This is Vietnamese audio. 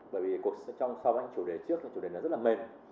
bởi vì cuộc sống trong các chủ đề trước là một chủ đề rất là mềm